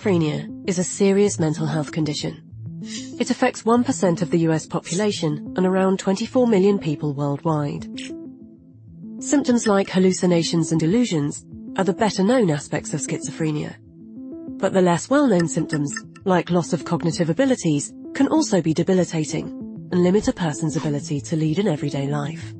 Schizophrenia is a serious mental health condition. It affects 1% of the U.S. population and around 24 million people worldwide. Symptoms like hallucinations and delusions are the better-known aspects of schizophrenia, but the less well-known symptoms, like loss of cognitive abilities, can also be debilitating and limit a person's ability to lead an everyday life.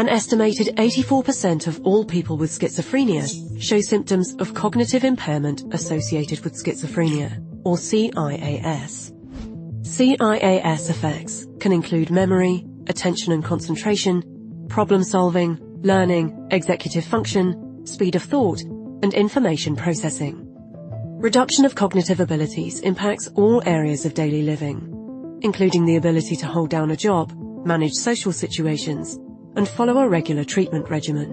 An estimated 84% of all people with schizophrenia show symptoms of cognitive impairment associated with schizophrenia, or CIAS. CIAS effects can include memory, attention and concentration, problem-solving, learning, executive function, speed of thought, and information processing. Reduction of cognitive abilities impacts all areas of daily living, including the ability to hold down a job, manage social situations, and follow a regular treatment regimen.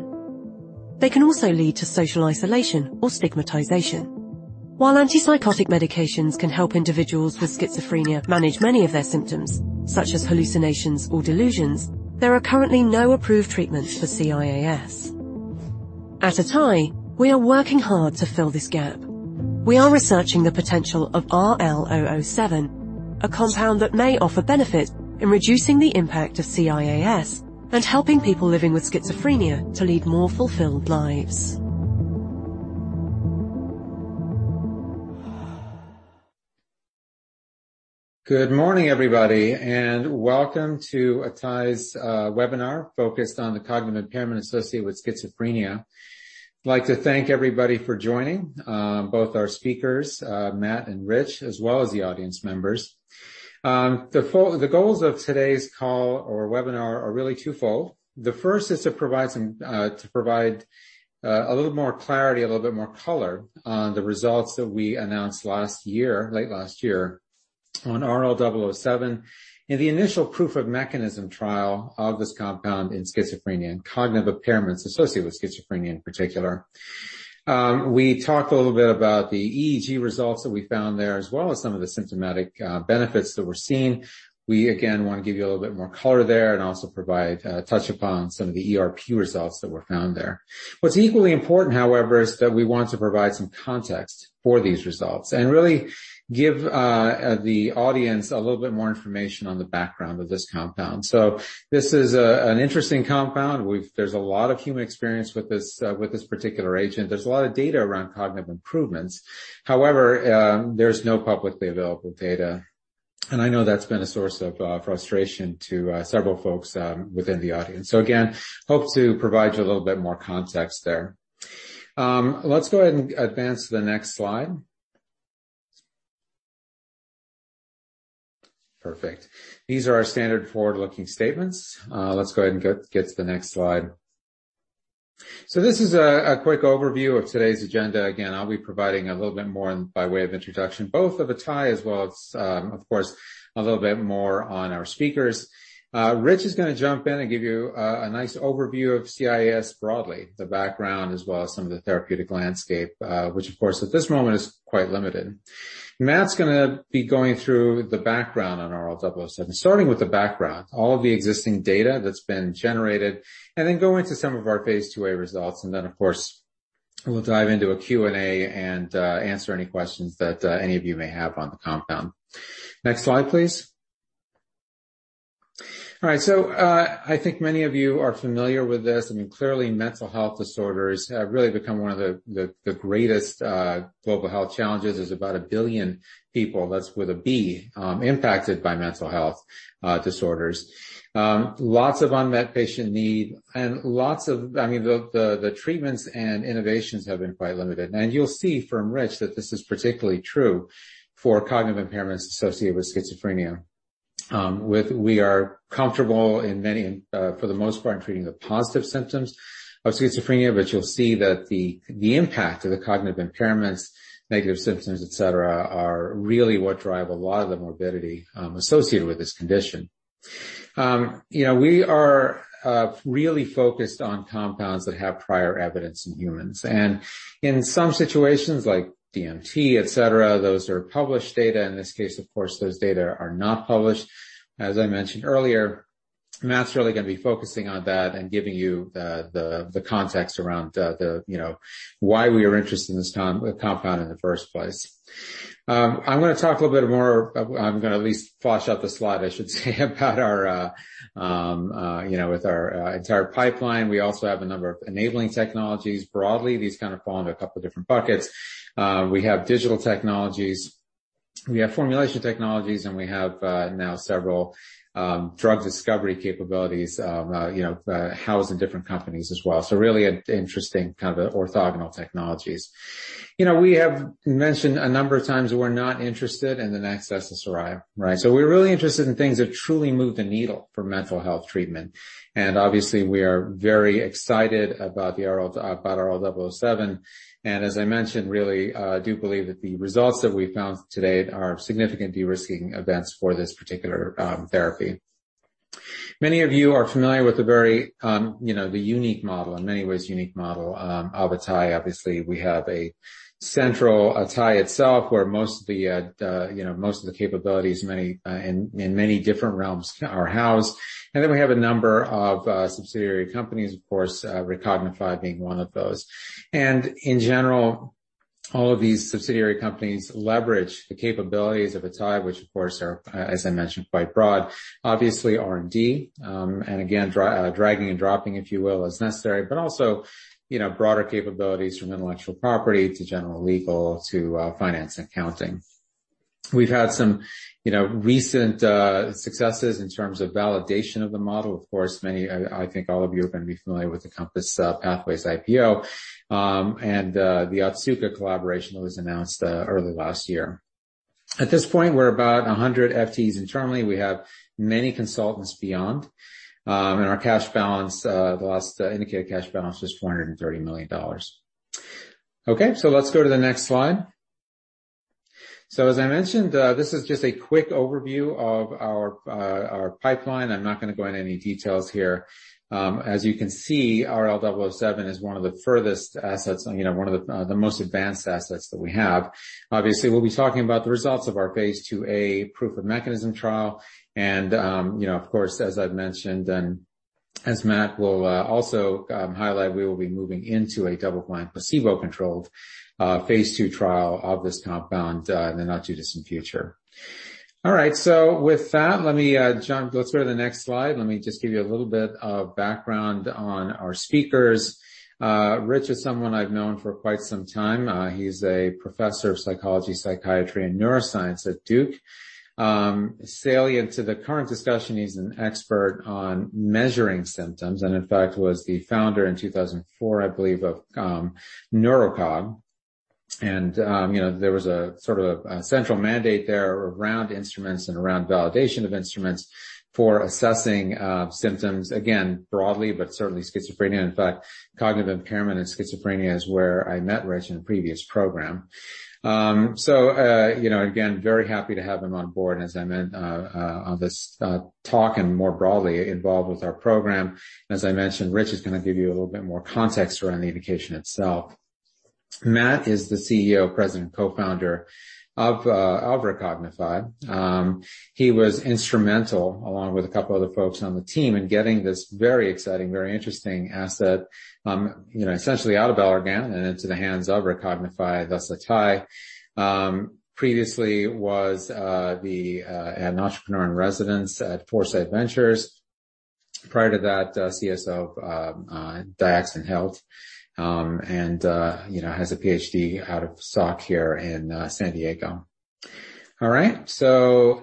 They can also lead to social isolation or stigmatization. While antipsychotic medications can help individuals with schizophrenia manage many of their symptoms, such as hallucinations or delusions, there are currently no approved treatments for CIAS. At Atai, we are working hard to fill this gap. We are researching the potential of RL-007, a compound that may offer benefits in reducing the impact of CIAS and helping people living with schizophrenia to lead more fulfilled lives. Good morning, everybody, and welcome to Atai's webinar focused on the cognitive impairment associated with schizophrenia. I'd like to thank everybody for joining, both our speakers, Matt and Rich, as well as the audience members. The goals of today's call or webinar are really twofold. The first is to provide a little more clarity, a little bit more color on the results that we announced last year, late last year, on RL-007 and the initial proof-of-mechanism trial of this compound in schizophrenia and cognitive impairments associated with schizophrenia in particular. We talked a little bit about the EEG results that we found there, as well as some of the symptomatic benefits that were seen. We, again, want to give you a little bit more color there and also touch upon some of the ERP results that were found there. What's equally important, however, is that we want to provide some context for these results and really give the audience a little bit more information on the background of this compound. This is an interesting compound. There's a lot of human experience with this particular agent. There's a lot of data around cognitive improvements. However, there's no publicly available data. I know that's been a source of frustration to several folks within the audience. Again, hope to provide you a little bit more context there. Let's go ahead and advance to the next slide. Perfect. These are our standard forward-looking statements. Let's go ahead and get to the next slide. This is a quick overview of today's agenda. Again, I'll be providing a little bit more by way of introduction, both of Atai as well as, of course, a little bit more on our speakers. Rich is going to jump in and give you a nice overview of CIAS broadly, the background, as well as some of the therapeutic landscape, which, of course, at this moment is quite limited. Matt's going to be going through the background on RL-007, starting with the background, all of the existing data that's been generated, and then go into some of our phase II-A results. Of course, we'll dive into a Q&A and answer any questions that any of you may have on the compound. Next slide, please. All right, I think many of you are familiar with this. I mean, clearly, mental health disorders have really become one of the greatest global health challenges. There's about a billion people, that's with a B, impacted by mental health disorders. Lots of unmet patient need and lots of, I mean, the treatments and innovations have been quite limited. You will see from Rich that this is particularly true for cognitive impairments associated with schizophrenia. We are comfortable in many, for the most part, in treating the positive symptoms of schizophrenia, but you will see that the impact of the cognitive impairments, negative symptoms, etc., are really what drive a lot of the morbidity associated with this condition. We are really focused on compounds that have prior evidence in humans. In some situations, like DMT, etc., those are published data. In this case, of course, those data are not published. As I mentioned earlier, Matt is really going to be focusing on that and giving you the context around why we are interested in this compound in the first place. I'm going to talk a little bit more. I'm going to at least flash out the slide, I should say, about our entire pipeline. We also have a number of enabling technologies. Broadly, these kind of fall into a couple of different buckets. We have digital technologies. We have formulation technologies, and we have now several drug discovery capabilities housed in different companies as well. Really interesting kind of orthogonal technologies. We have mentioned a number of times that we're not interested in the next SSRI, right? We're really interested in things that truly move the needle for mental health treatment. Obviously, we are very excited about RL-007. As I mentioned, we really do believe that the results that we found today are significant de-risking events for this particular therapy. Many of you are familiar with the very unique model, in many ways unique model, of Atai. Obviously, we have a central Atai itself, where most of the capabilities in many different realms are housed. We have a number of subsidiary companies, of course, Recognify being one of those. In general, all of these subsidiary companies leverage the capabilities of Atai, which, of course, are, as I mentioned, quite broad. Obviously, R&D and, again, dragging and dropping, if you will, as necessary, but also broader capabilities from intellectual property to general legal to finance and accounting. We've had some recent successes in terms of validation of the model. I think all of you are going to be familiar with the COMPASS Pathways IPO and the Otsuka collaboration that was announced early last year. At this point, we're about 100 FTEs internally. We have many consultants beyond. Our cash balance, the last indicated cash balance, was $230 million. Okay, let's go to the next slide. As I mentioned, this is just a quick overview of our pipeline. I'm not going to go into any details here. As you can see, RL-007 is one of the furthest assets, one of the most advanced assets that we have. Obviously, we'll be talking about the results of our phase II-A proof-of-mechanism trial. Of course, as I've mentioned, and as Matt will also highlight, we will be moving into a double-blind placebo-controlled phase II trial of this compound in the not-too-distant future. All right, with that, let me jump—let's go to the next slide. Let me just give you a little bit of background on our speakers. Rich is someone I've known for quite some time. He's a professor of psychology, psychiatry, and neuroscience at Duke. Salient to the current discussion, he's an expert on measuring symptoms and, in fact, was the founder in 2004, I believe, of NeuroCog. There was a sort of a central mandate there around instruments and around validation of instruments for assessing symptoms, again, broadly, but certainly schizophrenia. In fact, cognitive impairment and schizophrenia is where I met Rich in a previous program. Again, very happy to have him on board, as I mentioned, on this talk and more broadly involved with our program. As I mentioned, Rich is going to give you a little bit more context around the indication itself. Matt is the CEO, President, and Co-founder of Recognify. He was instrumental, along with a couple of other folks on the team, in getting this very exciting, very interesting asset essentially out of Allergan and into the hands of Recognify, thus Atai. Previously, he was an entrepreneur in residence at ForSight Ventures. Prior to that, CSO of Diaxonhit and has a PhD out of Salk here in San Diego. All right,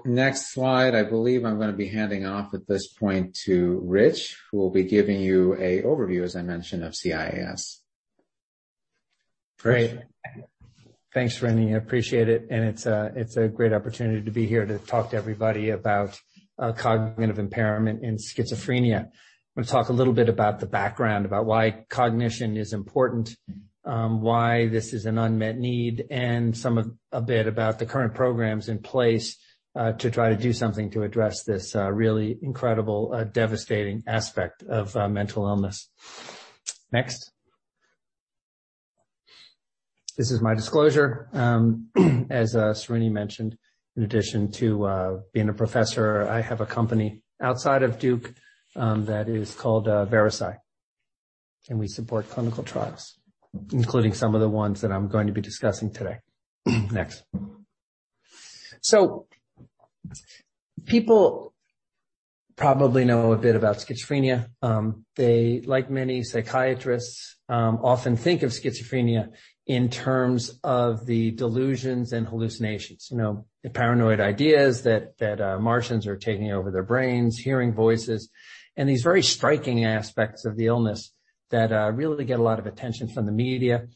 next slide. I believe I'm going to be handing off at this point to Rich, who will be giving you an overview, as I mentioned, of CIAS. Great. Thanks, Srini, I appreciate it. It is a great opportunity to be here to talk to everybody about cognitive impairment and schizophrenia. I am going to talk a little bit about the background, about why cognition is important, why this is an unmet need, and a bit about the current programs in place to try to do something to address this really incredible, devastating aspect of mental illness. Next. This is my disclosure. As Srini mentioned, in addition to being a professor, I have a company outside of Duke that is called VeraSci. We support clinical trials, including some of the ones that I am going to be discussing today. Next. People probably know a bit about schizophrenia. They, like many psychiatrists, often think of schizophrenia in terms of the delusions and hallucinations, the paranoid ideas that Martians are taking over their brains, hearing voices, and these very striking aspects of the illness that really get a lot of attention from the media.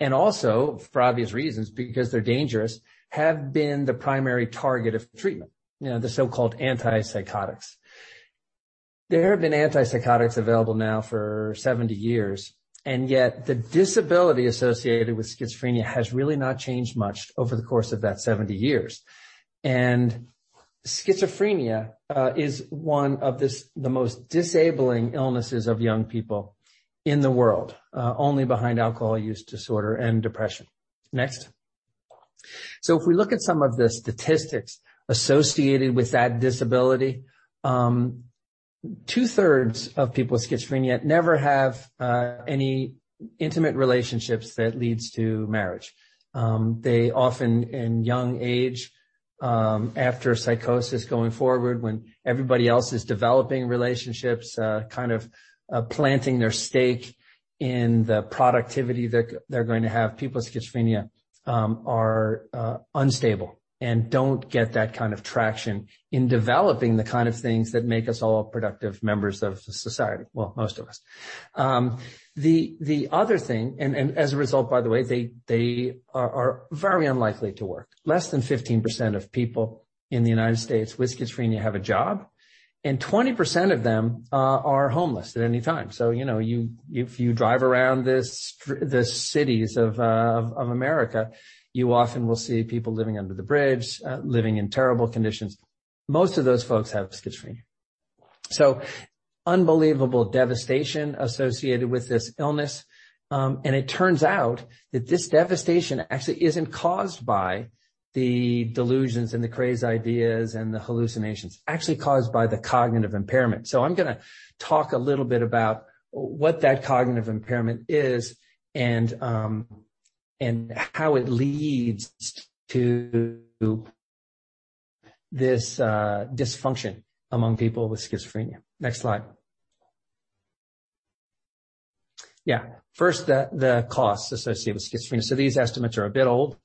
Also, for obvious reasons, because they're dangerous, have been the primary target of treatment, the so-called antipsychotics. There have been antipsychotics available now for 70 years, and yet the disability associated with schizophrenia has really not changed much over the course of that 70 years. Schizophrenia is one of the most disabling illnesses of young people in the world, only behind alcohol use disorder and depression. Next. If we look at some of the statistics associated with that disability, two-thirds of people with schizophrenia never have any intimate relationships that lead to marriage. They often, in young age, after psychosis going forward, when everybody else is developing relationships, kind of planting their stake in the productivity that they're going to have, people with schizophrenia are unstable and don't get that kind of traction in developing the kind of things that make us all productive members of society, well, most of us. The other thing, and as a result, by the way, they are very unlikely to work. Less than 15% of people in the United States with schizophrenia have a job, and 20% of them are homeless at any time. If you drive around the cities of America, you often will see people living under the bridge, living in terrible conditions. Most of those folks have schizophrenia. Unbelievable devastation associated with this illness. It turns out that this devastation actually isn't caused by the delusions and the crazy ideas and the hallucinations. It's actually caused by the cognitive impairment. I'm going to talk a little bit about what that cognitive impairment is and how it leads to this dysfunction among people with schizophrenia. Next slide. Yeah. First, the costs associated with schizophrenia. These estimates are a bit old,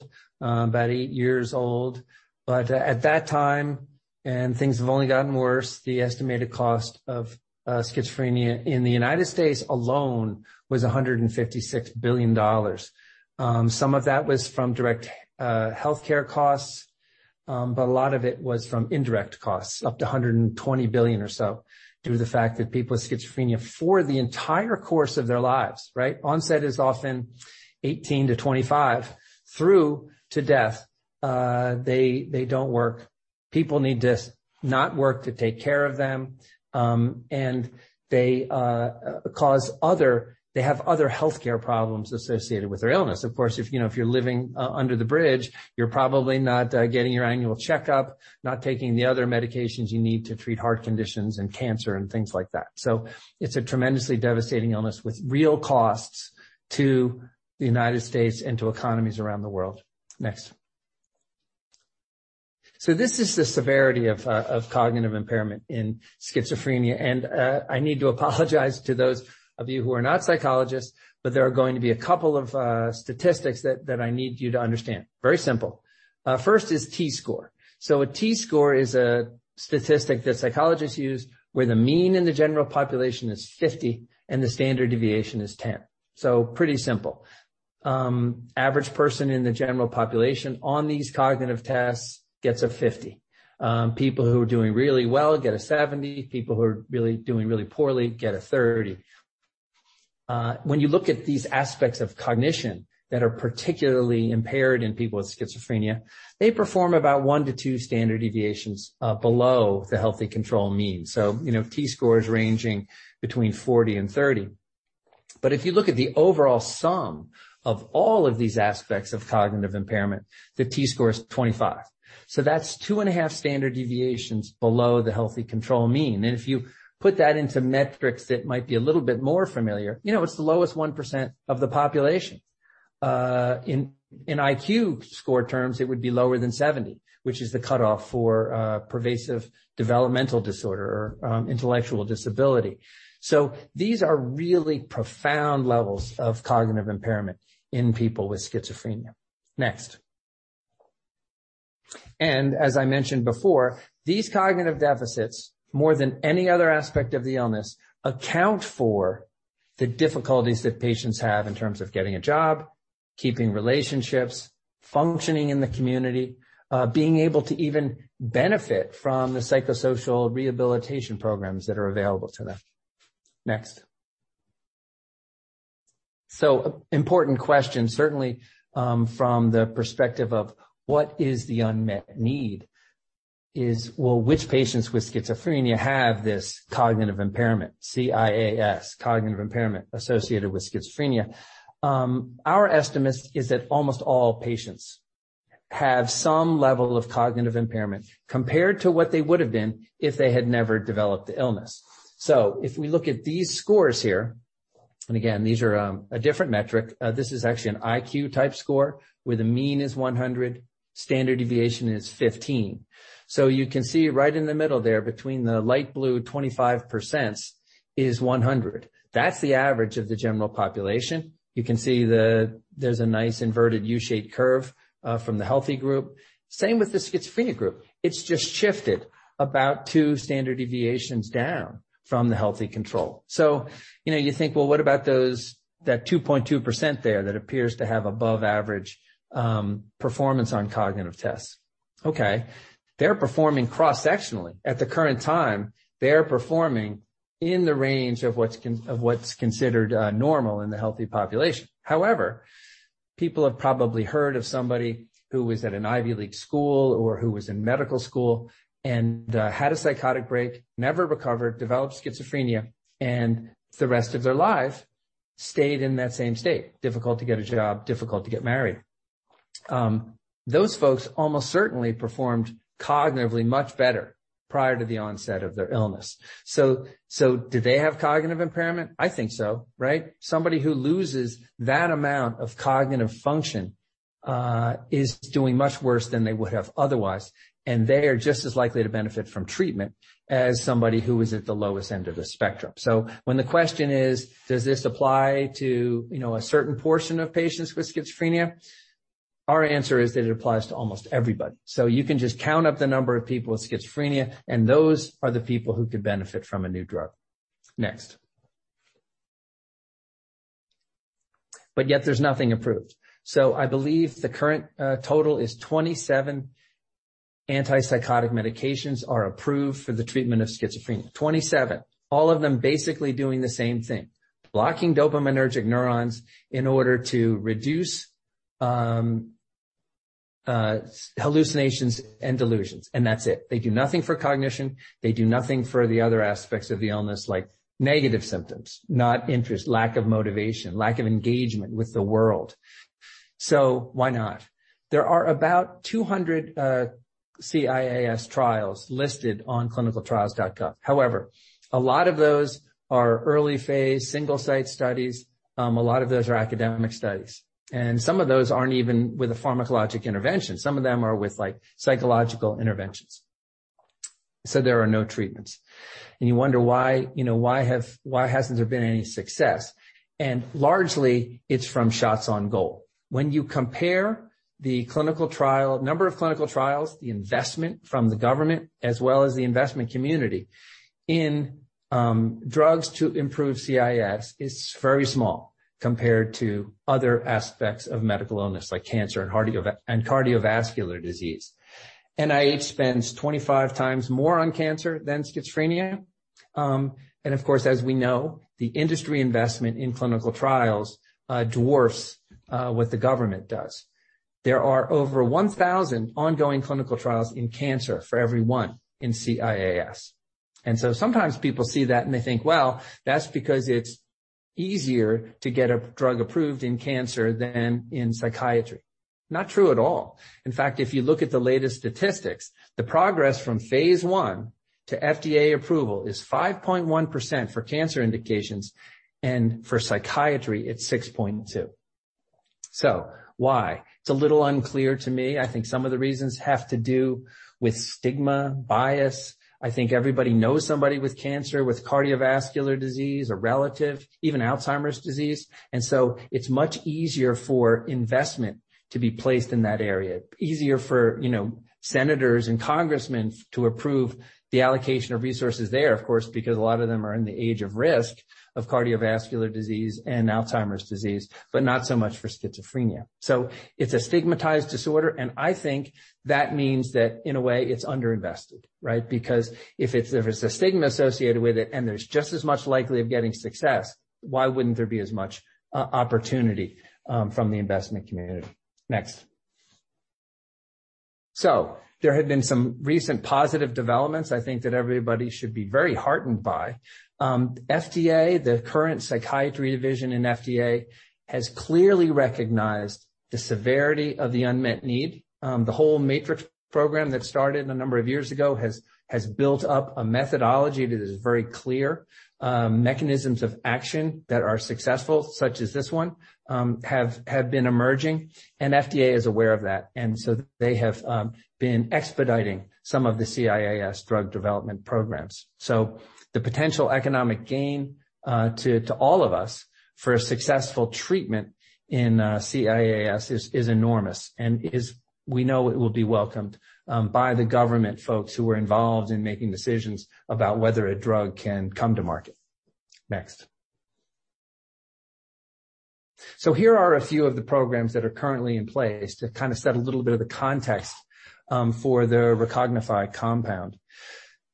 about eight years old. At that time, and things have only gotten worse, the estimated cost of schizophrenia in the United States alone was $156 billion. Some of that was from direct healthcare costs, but a lot of it was from indirect costs, up to $120 billion or so, due to the fact that people with schizophrenia for the entire course of their lives, right? Onset is often 18-25 through to death. They don't work. People need to not work to take care of them. And they have other healthcare problems associated with their illness. Of course, if you're living under the bridge, you're probably not getting your annual checkup, not taking the other medications you need to treat heart conditions and cancer and things like that. It is a tremendously devastating illness with real costs to the United States and to economies around the world. Next. This is the severity of cognitive impairment in schizophrenia. I need to apologize to those of you who are not psychologists, but there are going to be a couple of statistics that I need you to understand. Very simple. First is T-score. A T-score is a statistic that psychologists use where the mean in the general population is 50 and the standard deviation is 10. Pretty simple. Average person in the general population on these cognitive tests gets a 50. People who are doing really well get a 70. People who are really doing really poorly get a 30. When you look at these aspects of cognition that are particularly impaired in people with schizophrenia, they perform about one to two standard deviations below the healthy control mean. T-score is ranging between 40 and 30. If you look at the overall sum of all of these aspects of cognitive impairment, the T-score is 25. That is two and a half standard deviations below the healthy control mean. If you put that into metrics that might be a little bit more familiar, it is the lowest 1% of the population. In IQ score terms, it would be lower than 70, which is the cutoff for pervasive developmental disorder or intellectual disability. These are really profound levels of cognitive impairment in people with schizophrenia. Next. As I mentioned before, these cognitive deficits, more than any other aspect of the illness, account for the difficulties that patients have in terms of getting a job, keeping relationships, functioning in the community, being able to even benefit from the psychosocial rehabilitation programs that are available to them. Next. An important question, certainly from the perspective of what the unmet need is, is, well, which patients with schizophrenia have this cognitive impairment, CIAS, cognitive impairment associated with schizophrenia? Our estimate is that almost all patients have some level of cognitive impairment compared to what they would have been if they had never developed the illness. If we look at these scores here, and again, these are a different metric. This is actually an IQ-type score where the mean is 100. Standard deviation is 15. You can see right in the middle there between the light blue 25% is 100. That's the average of the general population. You can see there's a nice inverted U-shaped curve from the healthy group. Same with the schizophrenia group. It's just shifted about two standard deviations down from the healthy control. You think, what about that 2.2% there that appears to have above-average performance on cognitive tests? Okay. They're performing cross-sectionally. At the current time, they're performing in the range of what's considered normal in the healthy population. However, people have probably heard of somebody who was at an Ivy League school or who was in medical school and had a psychotic break, never recovered, developed schizophrenia, and the rest of their life stayed in that same state, difficult to get a job, difficult to get married. Those folks almost certainly performed cognitively much better prior to the onset of their illness. Do they have cognitive impairment? I think so, right? Somebody who loses that amount of cognitive function is doing much worse than they would have otherwise. They are just as likely to benefit from treatment as somebody who is at the lowest end of the spectrum. When the question is, does this apply to a certain portion of patients with schizophrenia? Our answer is that it applies to almost everybody. You can just count up the number of people with schizophrenia, and those are the people who could benefit from a new drug. Next. Yet there is nothing approved. I believe the current total is 27 antipsychotic medications are approved for the treatment of schizophrenia. 27. All of them basically doing the same thing, blocking dopaminergic neurons in order to reduce hallucinations and delusions. That's it. They do nothing for cognition. They do nothing for the other aspects of the illness, like negative symptoms, not interest, lack of motivation, lack of engagement with the world. Why not? There are about 200 CIAS trials listed on clinicaltrials.gov. However, a lot of those are early-phase single-site studies. A lot of those are academic studies. Some of those are not even with a pharmacologic intervention. Some of them are with psychological interventions. There are no treatments. You wonder why hasn't there been any success. Largely, it's from shots on goal. When you compare the number of clinical trials, the investment from the government, as well as the investment community in drugs to improve CIAS, it's very small compared to other aspects of medical illness like cancer and cardiovascular disease. NIH spends 25x more on cancer than schizophrenia. Of course, as we know, the industry investment in clinical trials dwarfs what the government does. There are over 1,000 ongoing clinical trials in cancer for every one in CIAS. Sometimes people see that and they think, "Well, that's because it's easier to get a drug approved in cancer than in psychiatry." Not true at all. In fact, if you look at the latest statistics, the progress from phase I to FDA approval is 5.1% for cancer indications, and for psychiatry, it's 6.2%. Why? It's a little unclear to me. I think some of the reasons have to do with stigma, bias. I think everybody knows somebody with cancer, with cardiovascular disease, a relative, even Alzheimer's disease. It is much easier for investment to be placed in that area, easier for senators and congressmen to approve the allocation of resources there, of course, because a lot of them are in the age of risk of cardiovascular disease and Alzheimer's disease, but not so much for schizophrenia. It is a stigmatized disorder. I think that means that, in a way, it is underinvested, right? Because if there is a stigma associated with it and there is just as much likelihood of getting success, why would not there be as much opportunity from the investment community? Next. There had been some recent positive developments, I think, that everybody should be very heartened by. FDA, the current psychiatry division in FDA, has clearly recognized the severity of the unmet need. The whole MATRICS program that started a number of years ago has built up a methodology that is very clear. Mechanisms of action that are successful, such as this one, have been emerging. FDA is aware of that. They have been expediting some of the CIAS drug development programs. The potential economic gain to all of us for a successful treatment in CIAS is enormous and we know it will be welcomed by the government folks who are involved in making decisions about whether a drug can come to market. Next. Here are a few of the programs that are currently in place to kind of set a little bit of the context for the Recognify compound.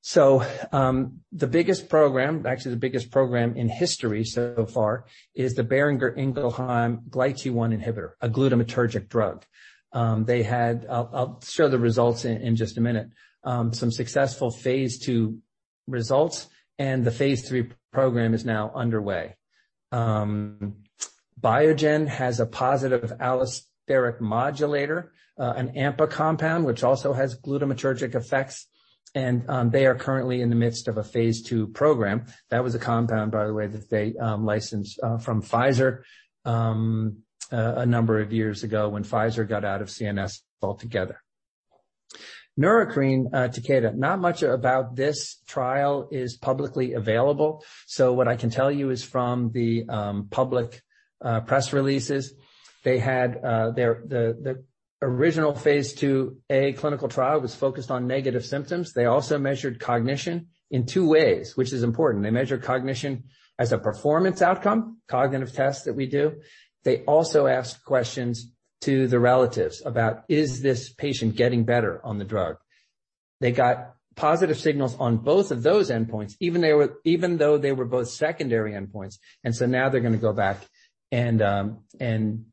The biggest program, actually the biggest program in history so far, is the Boehringer Ingelheim GLyT1 inhibitor, a glutamatergic drug. I'll show the results in just a minute. Some successful phase II results, and the phase III program is now underway. Biogen has a positive allosteric modulator, an AMPA compound, which also has glutamatergic effects. They are currently in the midst of a phase II program. That was a compound, by the way, that they licensed from Pfizer a number of years ago when Pfizer got out of CNS altogether. Neurocrine Takeda. Not much about this trial is publicly available. What I can tell you is from the public press releases, they had the original phase II-A clinical trial was focused on negative symptoms. They also measured cognition in two ways, which is important. They measured cognition as a performance outcome, cognitive tests that we do. They also asked questions to the relatives about, "Is this patient getting better on the drug?" They got positive signals on both of those endpoints, even though they were both secondary endpoints. Now they're going to go back and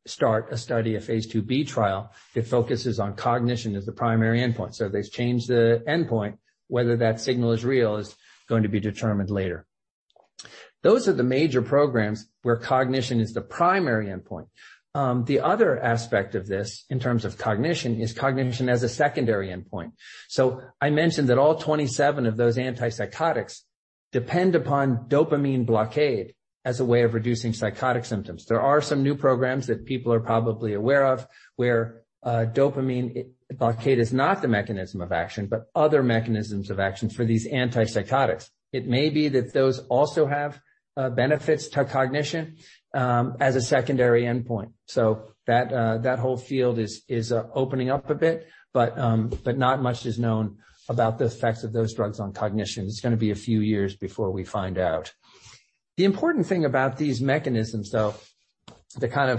start a study, a phase II-B trial that focuses on cognition as the primary endpoint. They've changed the endpoint. Whether that signal is real is going to be determined later. Those are the major programs where cognition is the primary endpoint. The other aspect of this in terms of cognition is cognition as a secondary endpoint. I mentioned that all 27 of those antipsychotics depend upon dopamine blockade as a way of reducing psychotic symptoms. There are some new programs that people are probably aware of where dopamine blockade is not the mechanism of action, but other mechanisms of action for these antipsychotics. It may be that those also have benefits to cognition as a secondary endpoint. That whole field is opening up a bit, but not much is known about the effects of those drugs on cognition. It's going to be a few years before we find out. The important thing about these mechanisms, though, to kind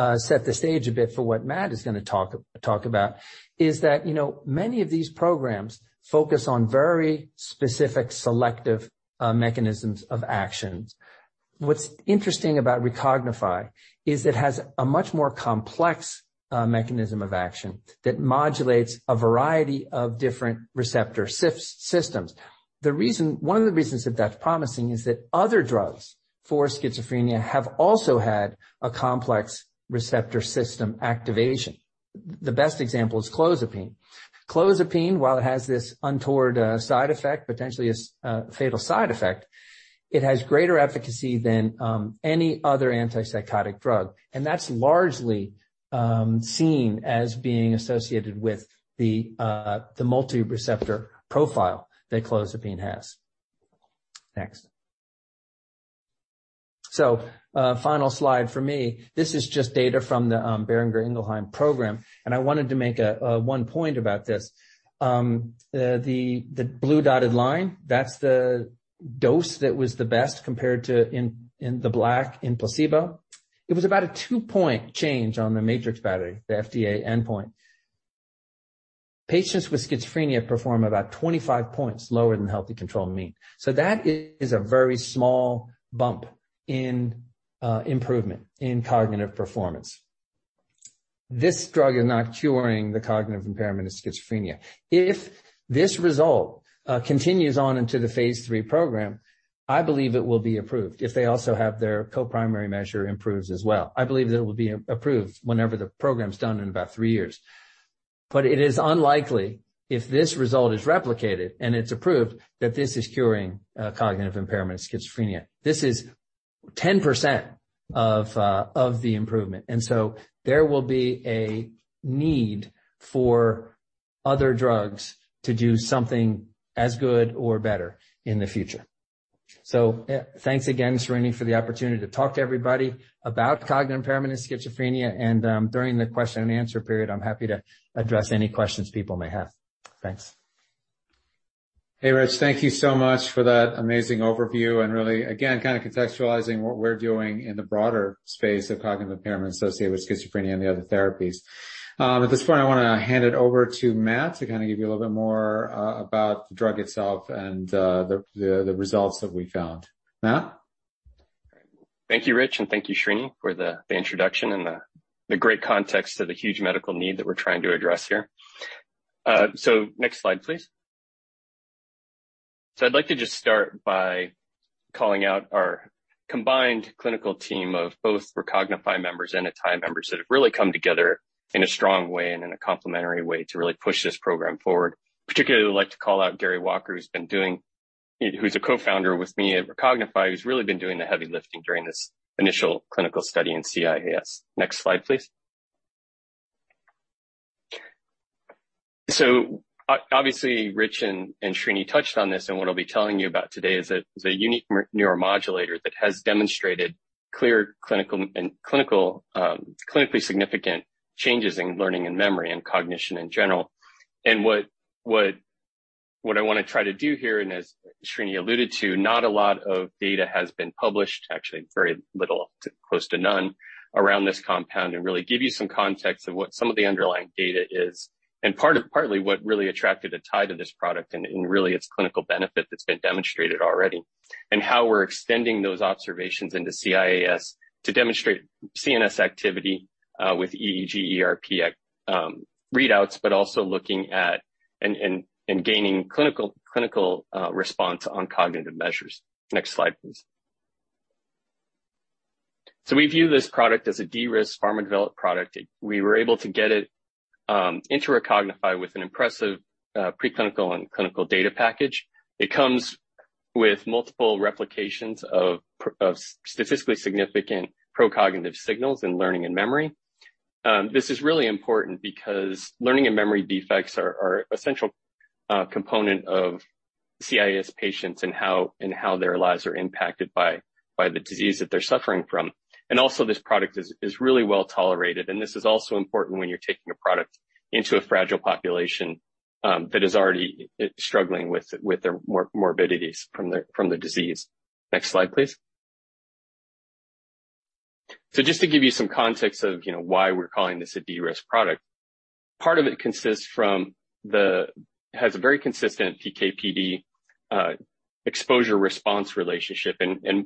of set the stage a bit for what Matt is going to talk about, is that many of these programs focus on very specific selective mechanisms of action. What's interesting about Recognify is it has a much more complex mechanism of action that modulates a variety of different receptor systems. One of the reasons that that's promising is that other drugs for schizophrenia have also had a complex receptor system activation. The best example is clozapine. Clozapine, while it has this untoward side effect, potentially a fatal side effect, it has greater efficacy than any other antipsychotic drug. That is largely seen as being associated with the multi-receptor profile that clozapine has. Next. Final slide for me. This is just data from the Boehringer Ingelheim program. I wanted to make one point about this. The blue dotted line, that is the dose that was the best compared to the black in placebo. It was about a two-point change on the MATRICS battery, the FDA endpoint. Patients with schizophrenia perform about 25 points lower than healthy control mean. That is a very small bump in improvement in cognitive performance. This drug is not curing the cognitive impairment of schizophrenia. If this result continues on into the phase III program, I believe it will be approved if they also have their co-primary measure improved as well. I believe that it will be approved whenever the program's done in about three years. It is unlikely, if this result is replicated and it's approved, that this is curing cognitive impairment of schizophrenia. This is 10% of the improvement. There will be a need for other drugs to do something as good or better in the future. Thanks again, Srini, for the opportunity to talk to everybody about cognitive impairment and schizophrenia. During the question and answer period, I'm happy to address any questions people may have. Thanks. Hey, Rich. Thank you so much for that amazing overview and really, again, kind of contextualizing what we're doing in the broader space of cognitive impairment associated with schizophrenia and the other therapies. At this point, I want to hand it over to Matt to kind of give you a little bit more about the drug itself and the results that we found. Matt? Thank you, Rich, and thank you, Srini, for the introduction and the great context of the huge medical need that we're trying to address here. Next slide, please. I'd like to just start by calling out our combined clinical team of both Recognify members and Atai members that have really come together in a strong way and in a complementary way to really push this program forward. Particularly, I'd like to call out Gary Walker, who's a co-founder with me at Recognify, who's really been doing the heavy lifting during this initial clinical study in CIAS. Next slide, please. Obviously, Rich and Srini touched on this, and what I'll be telling you about today is a unique neuromodulator that has demonstrated clinically significant changes in learning and memory and cognition in general. What I want to try to do here, and as Srini alluded to, not a lot of data has been published, actually very little, close to none, around this compound and really give you some context of what some of the underlying data is and partly what really attracted Atai to this product and really its clinical benefit that's been demonstrated already and how we're extending those observations into CIAS to demonstrate CNS activity with EEG, ERP readouts, but also looking at and gaining clinical response on cognitive measures. Next slide, please. We view this product as a D-risk pharma-developed product. We were able to get it into Recognify with an impressive preclinical and clinical data package. It comes with multiple replications of statistically significant pro-cognitive signals in learning and memory. This is really important because learning and memory defects are an essential component of CIAS patients and how their lives are impacted by the disease that they're suffering from. Also, this product is really well tolerated. This is also important when you're taking a product into a fragile population that is already struggling with their morbidities from the disease. Next slide, please. Just to give you some context of why we're calling this a D-risk product, part of it consists from the. Has a very consistent PK/PD exposure response relationship.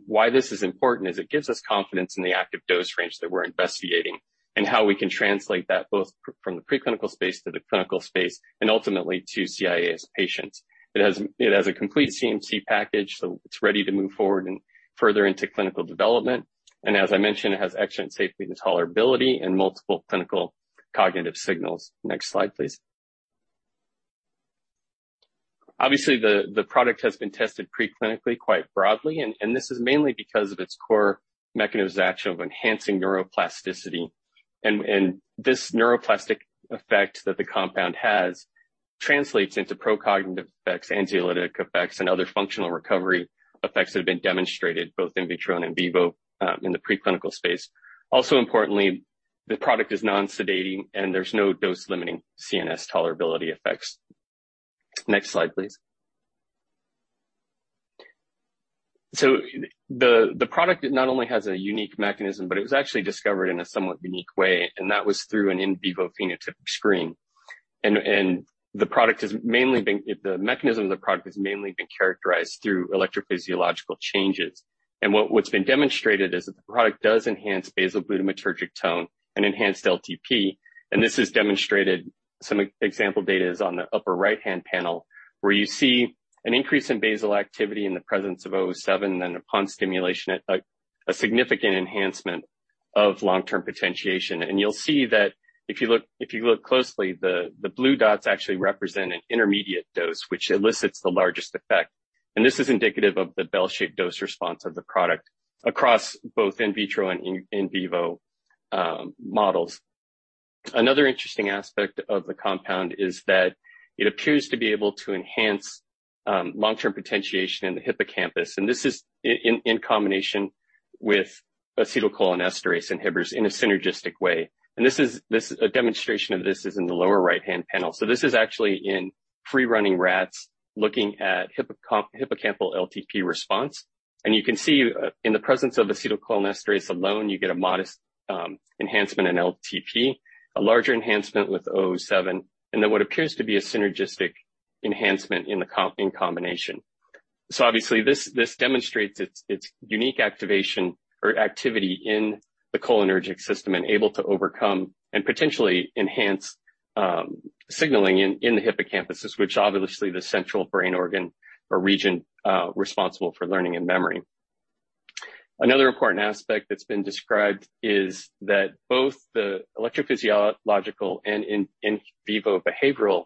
Why this is important is it gives us confidence in the active dose range that we're investigating and how we can translate that both from the preclinical space to the clinical space and ultimately to CIAS patients. It has a complete CMC package, so it's ready to move forward and further into clinical development. As I mentioned, it has excellent safety and tolerability and multiple clinical cognitive signals. Next slide, please. Obviously, the product has been tested preclinically quite broadly, and this is mainly because of its core mechanisms of action of enhancing neuroplasticity. This neuroplastic effect that the compound has translates into pro-cognitive effects, anxiolytic effects, and other functional recovery effects that have been demonstrated both in vitro and in vivo in the preclinical space. Also, importantly, the product is non-sedating, and there's no dose-limiting CNS tolerability effects. Next slide, please. The product not only has a unique mechanism, but it was actually discovered in a somewhat unique way, and that was through an in vivo phenotypic screen. The product has mainly been, the mechanism of the product has mainly been characterized through electrophysiological changes. What's been demonstrated is that the product does enhance basal glutamatergic tone and enhanced LTP. This is demonstrated. Some example data is on the upper right-hand panel where you see an increase in basal activity in the presence of RL-007, then upon stimulation, a significant enhancement of long-term potentiation. You'll see that if you look closely, the blue dots actually represent an intermediate dose, which elicits the largest effect. This is indicative of the bell-shaped dose response of the product across both in vitro and in vivo models. Another interesting aspect of the compound is that it appears to be able to enhance long-term potentiation in the hippocampus. This is in combination with acetylcholinesterase inhibitors in a synergistic way. A demonstration of this is in the lower right-hand panel. This is actually in free-running rats looking at hippocampal LTP response. You can see in the presence of acetylcholinesterase alone, you get a modest enhancement in LTP, a larger enhancement with RL-007, and then what appears to be a synergistic enhancement in combination. Obviously, this demonstrates its unique activation or activity in the cholinergic system and able to overcome and potentially enhance signaling in the hippocampus, which is obviously the central brain organ or region responsible for learning and memory. Another important aspect that's been described is that both the electrophysiological and in vivo behavioral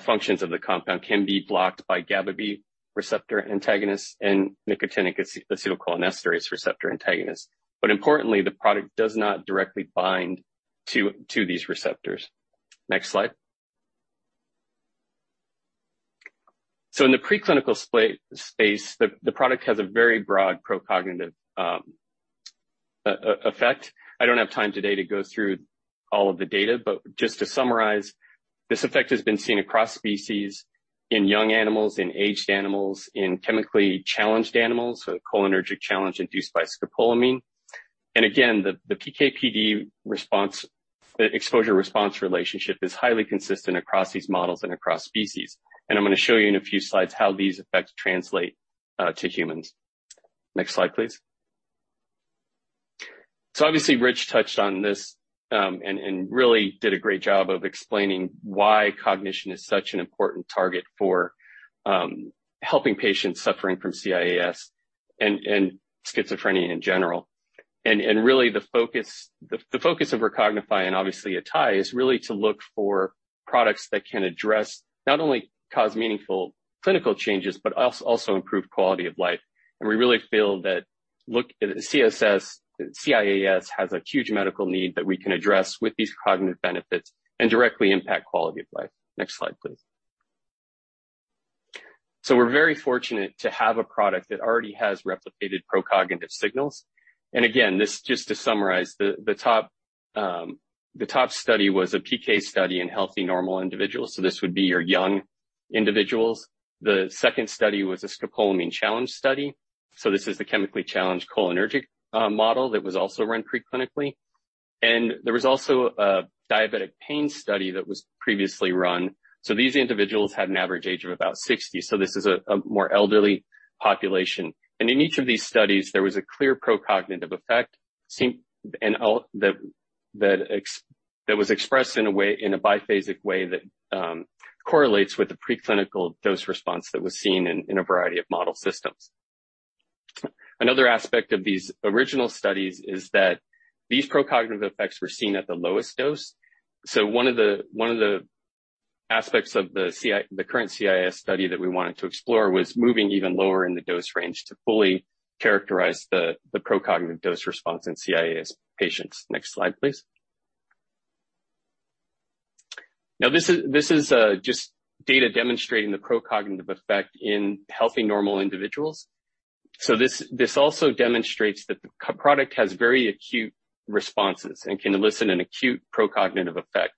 functions of the compound can be blocked by GABAB receptor antagonists and nicotinic acetylcholinesterase receptor antagonists. Importantly, the product does not directly bind to these receptors. Next slide. In the preclinical space, the product has a very broad pro-cognitive effect. I don't have time today to go through all of the data, but just to summarize, this effect has been seen across species in young animals, in aged animals, in chemically challenged animals, cholinergic challenge induced by scopolamine. The PK/PD exposure response relationship is highly consistent across these models and across species. I'm going to show you in a few slides how these effects translate to humans. Next slide, please. Obviously, Rich touched on this and really did a great job of explaining why cognition is such an important target for helping patients suffering from CIAS and schizophrenia in general. Really, the focus of Recognify and obviously Atai is really to look for products that can address not only cause meaningful clinical changes, but also improve quality of life. We really feel that CIAS has a huge medical need that we can address with these cognitive benefits and directly impact quality of life. Next slide, please. We are very fortunate to have a product that already has replicated pro-cognitive signals. Again, this just to summarize, the top study was a PK study in healthy normal individuals. This would be your young individuals. The second study was a scopolamine challenge study. This is the chemically challenged cholinergic model that was also run preclinically. There was also a diabetic pain study that was previously run. These individuals had an average age of about 60. This is a more elderly population. In each of these studies, there was a clear pro-cognitive effect that was expressed in a biphasic way that correlates with the preclinical dose response that was seen in a variety of model systems. Another aspect of these original studies is that these pro-cognitive effects were seen at the lowest dose. One of the aspects of the current CIAS study that we wanted to explore was moving even lower in the dose range to fully characterize the pro-cognitive dose response in CIAS patients. Next slide, please. This is just data demonstrating the pro-cognitive effect in healthy normal individuals. This also demonstrates that the product has very acute responses and can elicit an acute pro-cognitive effect.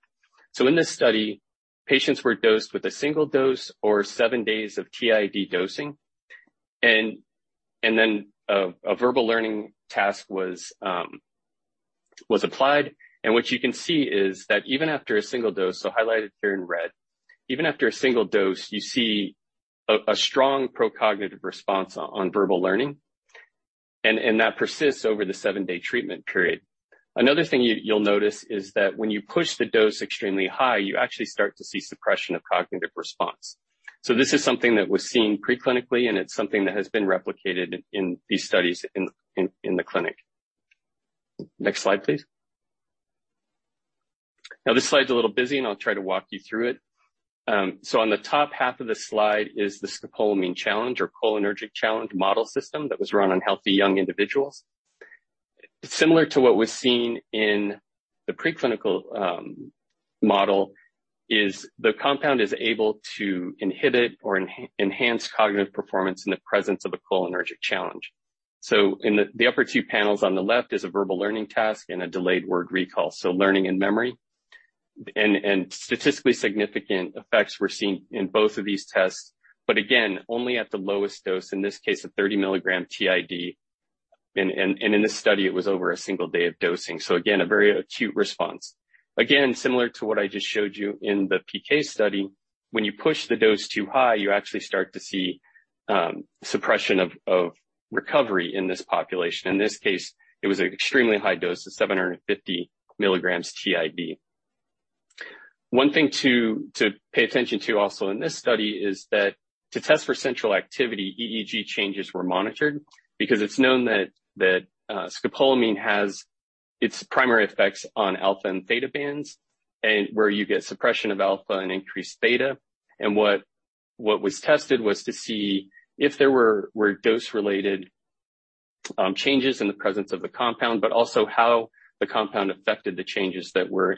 In this study, patients were dosed with a single dose or seven days of TID dosing. A verbal learning task was applied. What you can see is that even after a single dose, highlighted here in red, even after a single dose, you see a strong pro-cognitive response on verbal learning. That persists over the seven-day treatment period. Another thing you'll notice is that when you push the dose extremely high, you actually start to see suppression of cognitive response. This is something that was seen preclinically, and it's something that has been replicated in these studies in the clinic. Next slide, please. This slide's a little busy, and I'll try to walk you through it. On the top half of the slide is the scopolamine challenge or cholinergic challenge model system that was run on healthy young individuals. Similar to what was seen in the preclinical model, the compound is able to inhibit or enhance cognitive performance in the presence of a cholinergic challenge. In the upper two panels on the left is a verbal learning task and a delayed word recall, so learning and memory. Statistically significant effects were seen in both of these tests, but again, only at the lowest dose, in this case, a 30 mg TID. In this study, it was over a single day of dosing. Again, a very acute response. Similar to what I just showed you in the PK study, when you push the dose too high, you actually start to see suppression of recovery in this population. In this case, it was an extremely high dose of 750 mg TID. One thing to pay attention to also in this study is that to test for central activity, EEG changes were monitored because it's known that scopolamine has its primary effects on alpha and beta bands where you get suppression of alpha and increased beta. What was tested was to see if there were dose-related changes in the presence of the compound, but also how the compound affected the changes that were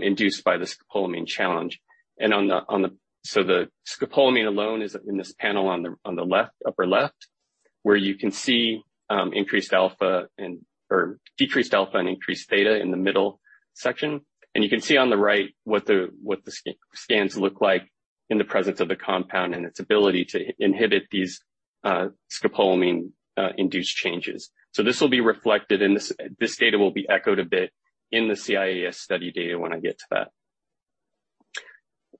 induced by the scopolamine challenge. The scopolamine alone is in this panel on the upper left, where you can see decreased alpha and increased beta in the middle section. You can see on the right what the scans look like in the presence of the compound and its ability to inhibit these scopolamine-induced changes. This will be reflected in this data will be echoed a bit in the CIAS study data when I get to that.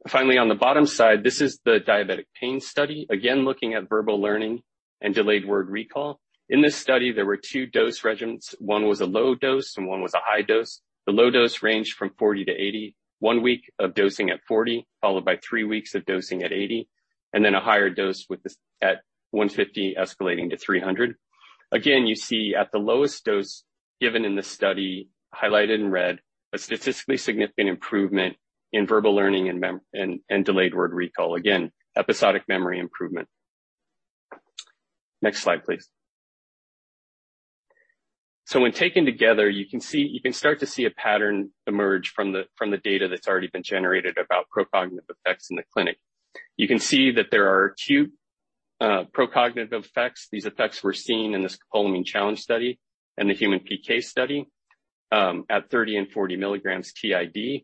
Finally, on the bottom side, this is the diabetic pain study, again looking at verbal learning and delayed word recall. In this study, there were two dose regimens. One was a low dose, and one was a high dose. The low dose ranged from 40 mg-80 mg, one week of dosing at 40 mg, followed by three weeks of dosing at 80 mg, and then a higher dose at 150 mg, escalating to 300 mg. Again, you see at the lowest dose given in the study, highlighted in red, a statistically significant improvement in verbal learning and delayed word recall, again, episodic memory improvement. Next slide, please. When taken together, you can start to see a pattern emerge from the data that's already been generated about pro-cognitive effects in the clinic. You can see that there are acute pro-cognitive effects. These effects were seen in the scopolamine challenge study and the human PK study at 30 mg and 40 mg TID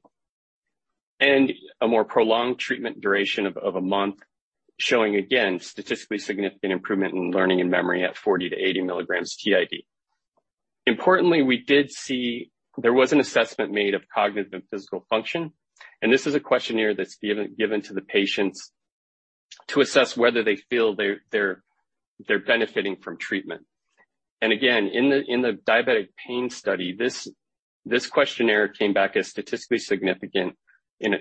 and a more prolonged treatment duration of a month, showing again statistically significant improvement in learning and memory at 40 mg-80 mg TID. Importantly, we did see there was an assessment made of cognitive and physical function. This is a questionnaire that's given to the patients to assess whether they feel they're benefiting from treatment. Again, in the diabetic pain study, this questionnaire came back as statistically significant in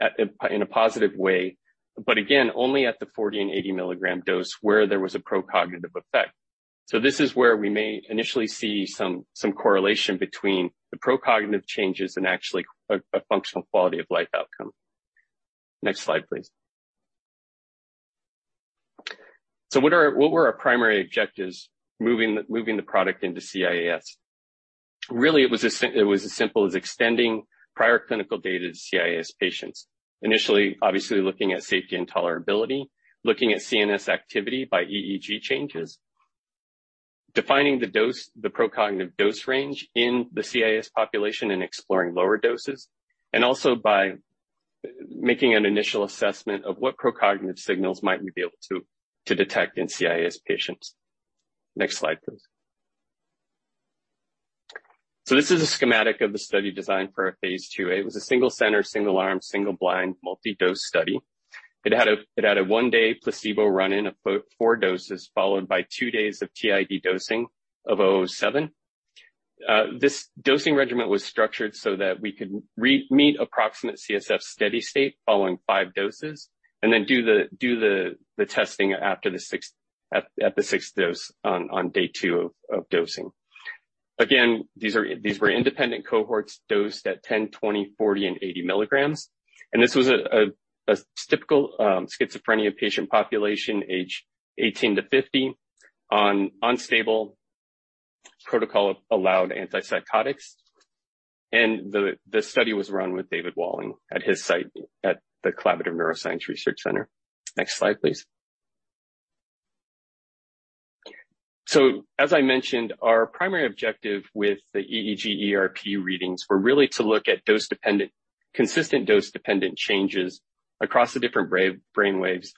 a positive way, but again, only at the 40 mg and 80 mg dose where there was a pro-cognitive effect. This is where we may initially see some correlation between the pro-cognitive changes and actually a functional quality of life outcome. Next slide, please. What were our primary objectives moving the product into CIAS? Really, it was as simple as extending prior clinical data to CIAS patients. Initially, obviously, looking at safety and tolerability, looking at CNS activity by EEG changes, defining the pro-cognitive dose range in the CIAS population and exploring lower doses, and also by making an initial assessment of what pro-cognitive signals might we be able to detect in CIAS patients. Next slide, please. This is a schematic of the study designed for a phase II-A. It was a single-centered, single-arm, single-blind, multi-dose study. It had a one-day placebo run-in of four doses followed by two days of TID dosing of RL-007. This dosing regimen was structured so that we could meet approximate CSF steady state following five doses and then do the testing after the sixth dose on day two of dosing. Again, these were independent cohorts dosed at 10 mg, 20 mg, 40 mg, and 80 mg. This was a typical schizophrenia patient population, age 18-50, on unstable protocol-allowed antipsychotics. The study was run with David Walling at his site at the Collaborative Neuroscience Research Center. Next slide, please. As I mentioned, our primary objective with the EEG ERP readings were really to look at consistent dose-dependent changes across the different brain waves.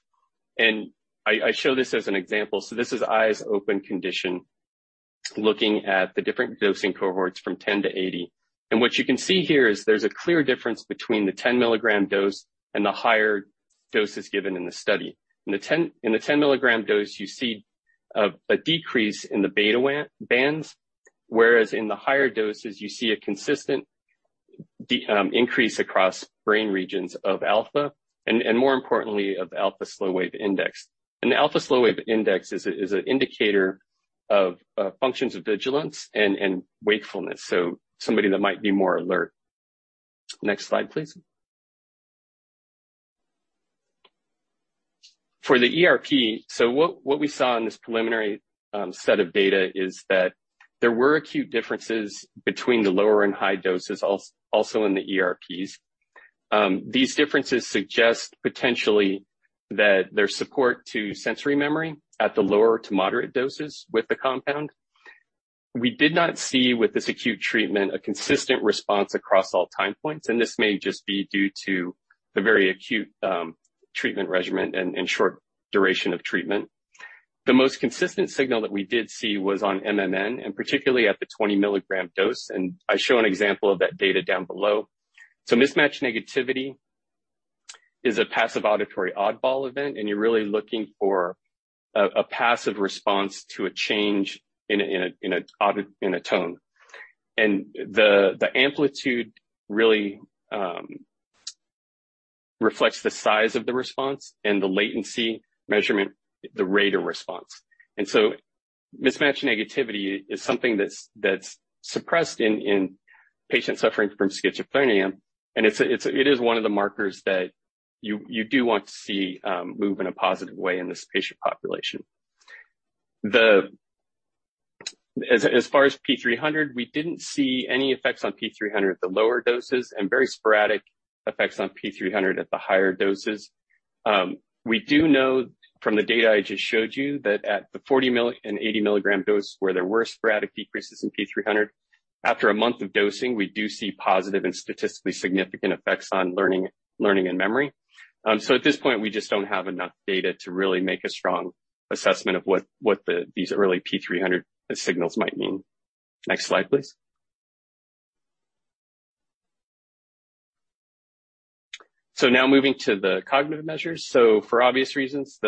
I show this as an example. This is eyes open condition looking at the different dosing cohorts from 10 to 80. What you can see here is there's a clear difference between the 10 mg dose and the higher doses given in the study. In the 10 mg dose, you see a decrease in the beta bands, whereas in the higher doses, you see a consistent increase across brain regions of alpha and, more importantly, of alpha slow-wave index. The alpha slow-wave index is an indicator of functions of vigilance and wakefulness, so somebody that might be more alert. Next slide, please. For the ERP, what we saw in this preliminary set of data is that there were acute differences between the lower and high doses also in the ERPs. These differences suggest potentially that there's support to sensory memory at the lower to moderate doses with the compound. We did not see with this acute treatment a consistent response across all time points. This may just be due to the very acute treatment regimen and short duration of treatment. The most consistent signal that we did see was on MMN and particularly at the 20 mg dose. I show an example of that data down below. Mismatch negativity is a passive auditory oddball event, and you're really looking for a passive response to a change in a tone. The amplitude really reflects the size of the response and the latency measurement, the rate of response. Mismatch negativity is something that's suppressed in patients suffering from schizophrenia. It is one of the markers that you do want to see move in a positive way in this patient population. As far as P300, we didn't see any effects on P300 at the lower doses and very sporadic effects on P300 at the higher doses. We do know from the data I just showed you that at the 40 mg and 80 mg dose where there were sporadic decreases in P300, after a month of dosing, we do see positive and statistically significant effects on learning and memory. At this point, we just do not have enough data to really make a strong assessment of what these early P300 signals might mean. Next slide, please. Now moving to the cognitive measures. For obvious reasons,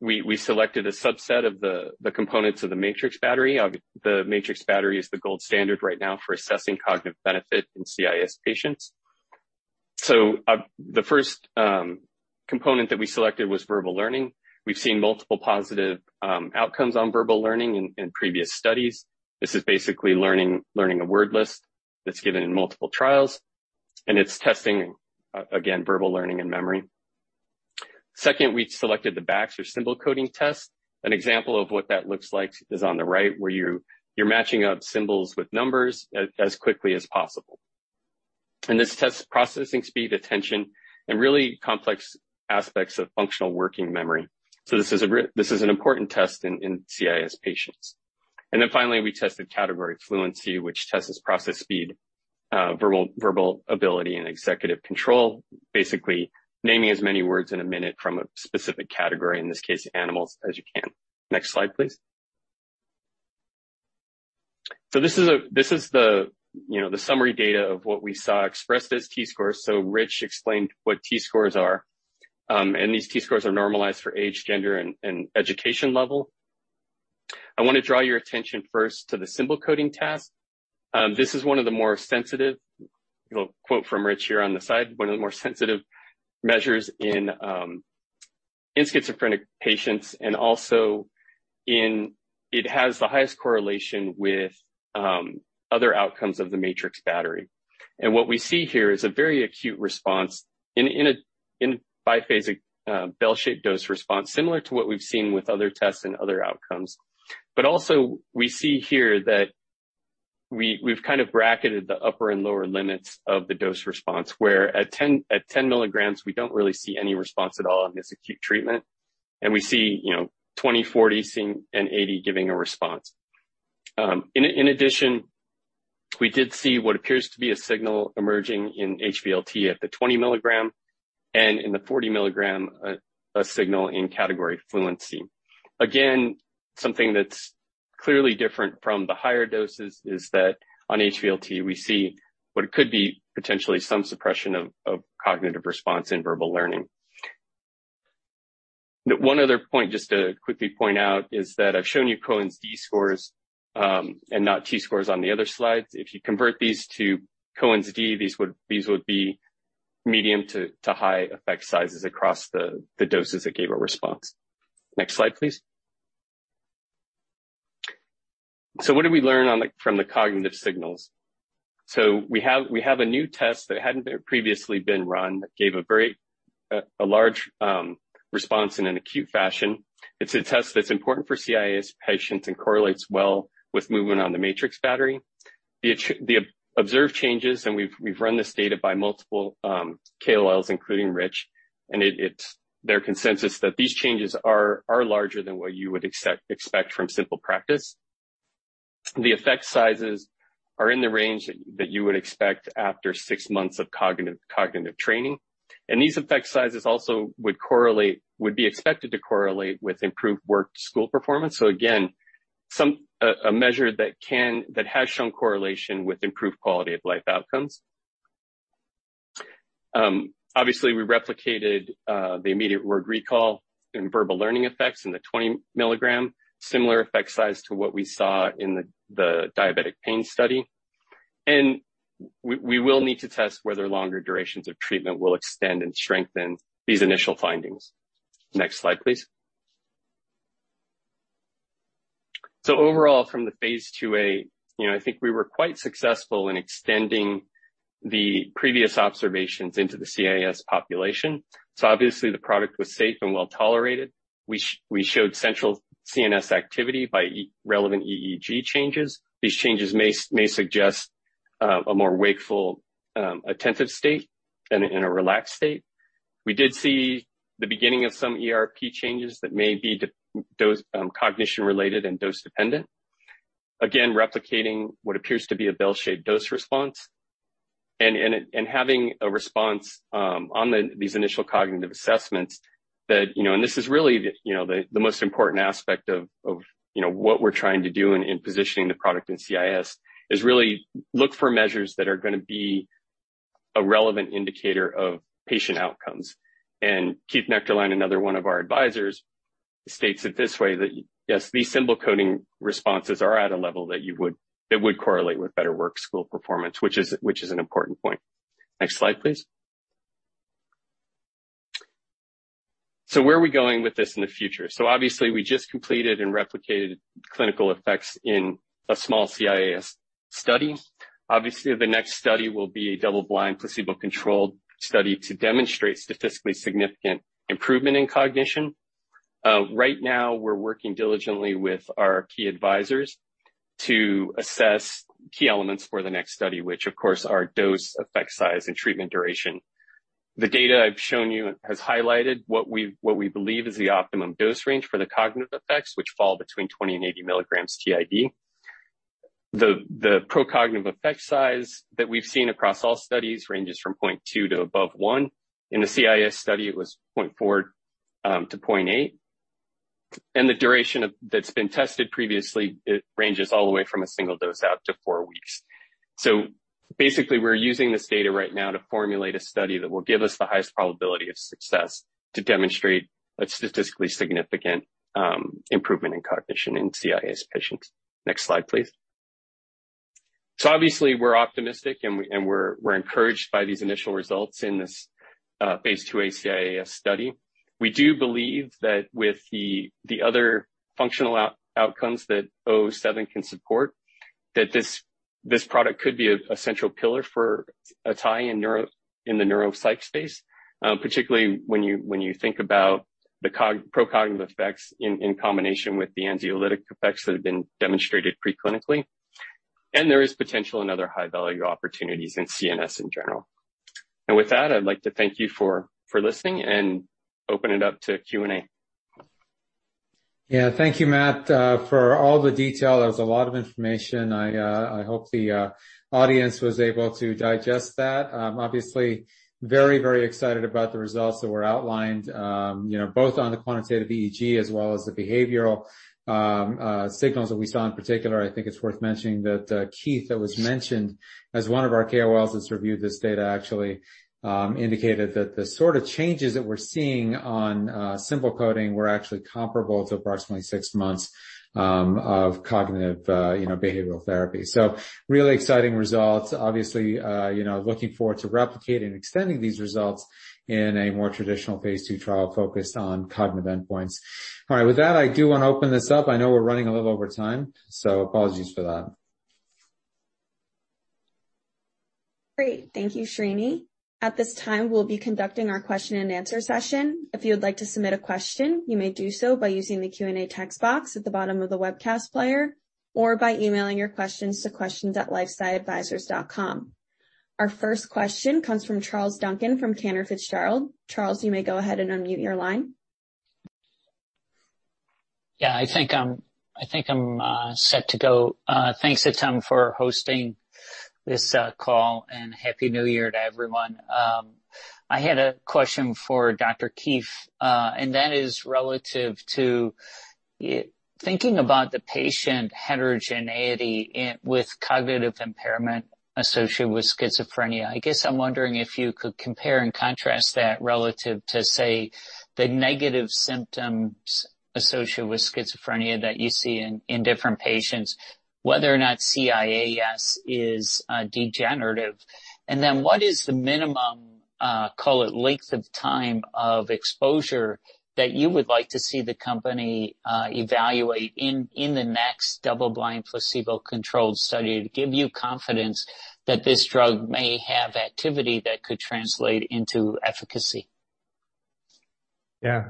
we selected a subset of the components of the MATRICS battery. The MATRICS battery is the gold standard right now for assessing cognitive benefit in CIAS patients. The first component that we selected was verbal learning. We have seen multiple positive outcomes on verbal learning in previous studies. This is basically learning a word list that is given in multiple trials. It is testing, again, verbal learning and memory. Second, we selected the BACS Symbol Coding test. An example of what that looks like is on the right, where you're matching up symbols with numbers as quickly as possible. This tests processing speed, attention, and really complex aspects of functional working memory. This is an important test in CIAS patients. Finally, we tested category fluency, which tests processing speed, verbal ability, and executive control, basically naming as many words in a minute from a specific category, in this case, animals, as you can. Next slide, please. This is the summary data of what we saw expressed as T-scores. Rich explained what T-scores are. These T-scores are normalized for age, gender, and education level. I want to draw your attention first to the symbol coding task. This is one of the more sensitive—I will quote from Rich here on the side—one of the more sensitive measures in schizophrenic patients. It also has the highest correlation with other outcomes of the MATRICS battery. What we see here is a very acute response in biphasic bell-shaped dose response, similar to what we have seen with other tests and other outcomes. We also see here that we have kind of bracketed the upper and lower limits of the dose response, where at 10 mg, we do not really see any response at all in this acute treatment. We see 20 mg, 40 mg, and 80 mg giving a response. In addition, we did see what appears to be a signal emerging in HVLT at the 20 mg and in the 40 mg a signal in category fluency. Again, something that's clearly different from the higher doses is that on HVLT, we see what could be potentially some suppression of cognitive response in verbal learning. One other point just to quickly point out is that I've shown you Cohen's d scores and not T-scores on the other slides. If you convert these to Cohen's d, these would be medium to high effect sizes across the doses that gave a response. Next slide, please. What did we learn from the cognitive signals? We have a new test that hadn't previously been run that gave a large response in an acute fashion. It's a test that's important for CIAS patients and correlates well with movement on the matrix battery. The observed changes, and we've run this data by multiple KOLs, including Rich, and there's consensus that these changes are larger than what you would expect from simple practice. The effect sizes are in the range that you would expect after six months of cognitive training. These effect sizes also would be expected to correlate with improved work-to-school performance. Again, a measure that has shown correlation with improved quality of life outcomes. Obviously, we replicated the immediate word recall and verbal learning effects in the 20 mg, similar effect size to what we saw in the diabetic pain study. We will need to test whether longer durations of treatment will extend and strengthen these initial findings. Next slide, please. Overall, from the phase II-A, I think we were quite successful in extending the previous observations into the CIAS population. Obviously, the product was safe and well tolerated. We showed central CNS activity by relevant EEG changes. These changes may suggest a more wakeful, attentive state and a relaxed state. We did see the beginning of some ERP changes that may be cognition-related and dose-dependent. Again, replicating what appears to be a bell-shaped dose response and having a response on these initial cognitive assessments that—this is really the most important aspect of what we're trying to do in positioning the product in CIAS—is really look for measures that are going to be a relevant indicator of patient outcomes. Keith Nuechterlein, another one of our advisors, states it this way that, yes, these symbol coding responses are at a level that would correlate with better work-to-school performance, which is an important point. Next slide, please. Where are we going with this in the future? Obviously, we just completed and replicated clinical effects in a small CIAS study. Obviously, the next study will be a double-blind placebo-controlled study to demonstrate statistically significant improvement in cognition. Right now, we're working diligently with our key advisors to assess key elements for the next study, which, of course, are dose, effect size, and treatment duration. The data I've shown you has highlighted what we believe is the optimum dose range for the cognitive effects, which fall between 20 mg and 80 mg TID. The pro-cognitive effect size that we've seen across all studies ranges from 0.2 to above 1. In the CIAS study, it was 0.4-0.8. The duration that's been tested previously ranges all the way from a single dose out to four weeks. Basically, we're using this data right now to formulate a study that will give us the highest probability of success to demonstrate a statistically significant improvement in cognition in CIAS patients. Next slide, please. Obviously, we're optimistic, and we're encouraged by these initial results in this phase II-A CIAS study. We do believe that with the other functional outcomes that RL-007 can support, that this product could be a central pillar for Atai in the neuropsych space, particularly when you think about the pro-cognitive effects in combination with the anxiolytic effects that have been demonstrated preclinically. There is potential in other high-value opportunities in CNS in general. With that, I'd like to thank you for listening and open it up to Q&A. Yeah. Thank you, Matt, for all the detail. There was a lot of information. I hope the audience was able to digest that. Obviously, very, very excited about the results that were outlined, both on the quantitative EEG as well as the behavioral signals that we saw. In particular, I think it's worth mentioning that Keith, that was mentioned as one of our KOLs that's reviewed this data, actually indicated that the sort of changes that we're seeing on symbol coding were actually comparable to approximately six months of cognitive behavioral therapy. So really exciting results. Obviously, looking forward to replicating and extending these results in a more traditional phase II trial focused on cognitive endpoints. All right. With that, I do want to open this up. I know we're running a little over time, so apologies for that. Great. Thank you, Srini. At this time, we'll be conducting our question-and-answer session. If you would like to submit a question, you may do so by using the Q&A text box at the bottom of the webcast player or by emailing your questions to questions@lifesciadvisors.com. Our first question comes from Charles Duncan from Cantor Fitzgerald. Charles, you may go ahead and unmute your line. Yeah. I think I'm set to go. Thanks to Tim for hosting this call, and happy New Year to everyone. I had a question for Dr. Keefe, and that is relative to thinking about the patient heterogeneity with cognitive impairment associated with schizophrenia. I guess I'm wondering if you could compare and contrast that relative to, say, the negative symptoms associated with schizophrenia that you see in different patients, whether or not CIAS is degenerative. And then what is the minimum, call it length of time of exposure that you would like to see the company evaluate in the next double-blind placebo-controlled study to give you confidence that this drug may have activity that could translate into efficacy? Yeah.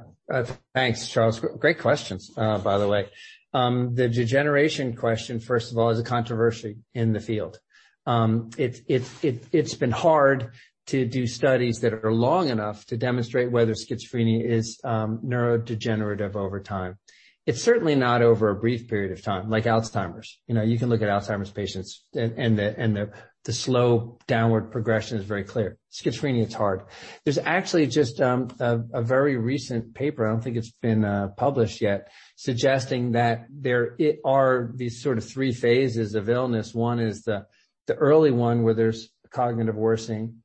Thanks, Charles. Great questions, by the way. The degeneration question, first of all, is a controversy in the field. It's been hard to do studies that are long enough to demonstrate whether schizophrenia is neurodegenerative over time. It's certainly not over a brief period of time, like Alzheimer's. You can look at Alzheimer's patients, and the slow downward progression is very clear. Schizophrenia is hard. There's actually just a very recent paper—I don't think it's been published yet—suggesting that there are these sort of three phases of illness. One is the early one, where there's cognitive worsening.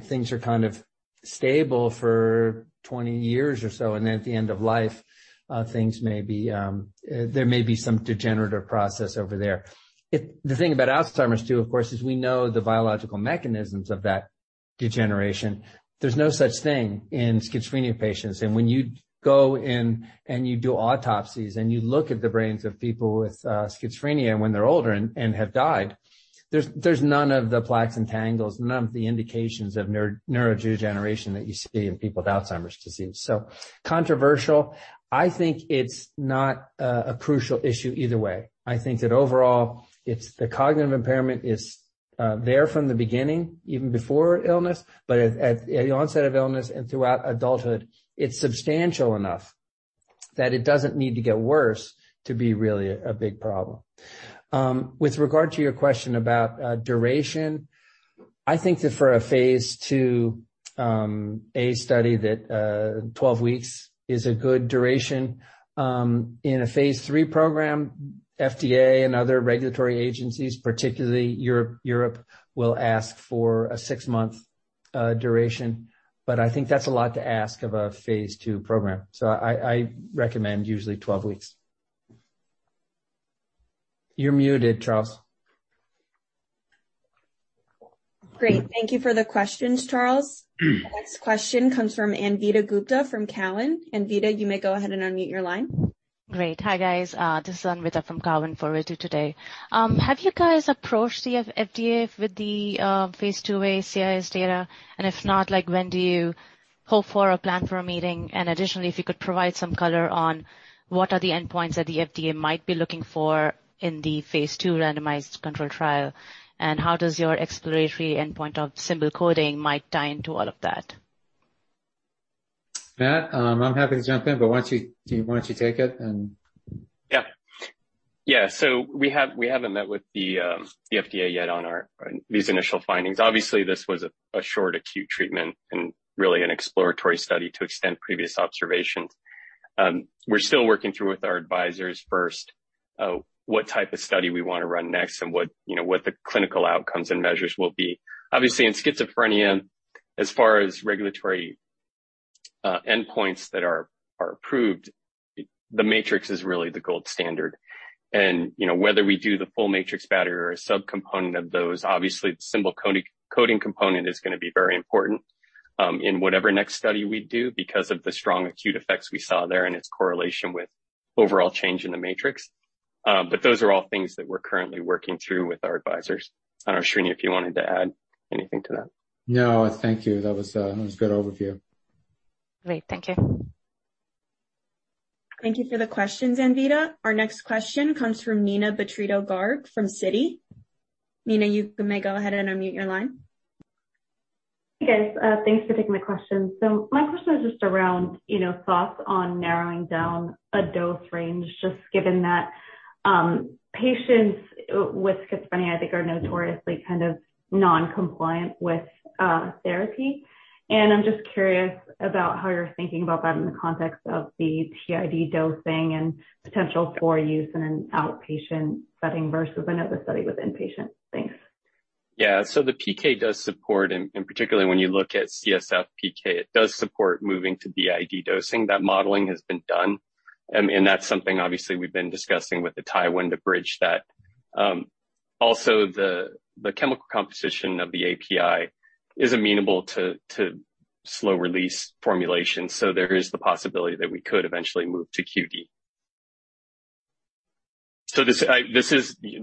Things are kind of stable for 20 years or so, and then at the end of life, things may be, there may be some degenerative process over there. The thing about Alzheimer's, too, of course, is we know the biological mechanisms of that degeneration. There's no such thing in schizophrenia patients. When you go in and you do autopsies and you look at the brains of people with schizophrenia when they're older and have died, there's none of the plaques and tangles, none of the indications of neurodegeneration that you see in people with Alzheimer's disease. Controversial. I think it's not a crucial issue either way. I think that overall, the cognitive impairment is there from the beginning, even before illness, but at the onset of illness and throughout adulthood, it's substantial enough that it doesn't need to get worse to be really a big problem. With regard to your question about duration, I think that for a phase II-A study, 12 weeks is a good duration. In a phase III program, FDA and other regulatory agencies, particularly Europe, will ask for a six-month duration. I think that's a lot to ask of a phase II program. I recommend usually 12 weeks. You're muted, Charles. Great. Thank you for the questions, Charles. Next question comes from Anvita Gupta from Cowen. Anvita, you may go ahead and unmute your line. Great. Hi, guys. This is Anvita from Cowen, for Ritu today. Have you guys approached the FDA with the phase II-A CIAS data? If not, when do you hope for or plan for a meeting? Additionally, if you could provide some color on what are the endpoints that the FDA might be looking for in the phase II randomized control trial? How does your exploratory endpoint of symbol coding might tie into all of that? Matt, I'm happy to jump in, but why don't you take it? Yeah. Yeah. We haven't met with the FDA yet on these initial findings. Obviously, this was a short acute treatment and really an exploratory study to extend previous observations. We're still working through with our advisors first what type of study we want to run next and what the clinical outcomes and measures will be. Obviously, in schizophrenia, as far as regulatory endpoints that are approved, the MATRICS is really the gold standard. Whether we do the full MATRICS battery or a subcomponent of those, obviously, the symbol coding component is going to be very important in whatever next study we do because of the strong acute effects we saw there and its correlation with overall change in the MATRICS. Those are all things that we're currently working through with our advisors. I don't know, Srini, if you wanted to add anything to that. No. Thank you. That was a good overview. Great. Thank you. Thank you for the questions, Anvita. Our next question comes from Neena Birtritto-Garg from Citi. Neena, you may go ahead and unmute your line. Yes. Thanks for taking the question. My question is just around thoughts on narrowing down a dose range, just given that patients with schizophrenia, I think, are notoriously kind of non-compliant with therapy. I'm just curious about how you're thinking about that in the context of the TID dosing and potential for use in an outpatient setting versus another study with inpatient things. Yeah. The PK does support, and particularly when you look at CSF PK, it does support moving to BID dosing. That modeling has been done. That is something, obviously, we've been discussing with the Atai window bridge that also the chemical composition of the API is amenable to slow-release formulation. There is the possibility that we could eventually move to QD. That